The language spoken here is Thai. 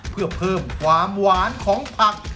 เพื่อเพิ่มความหวานของผัก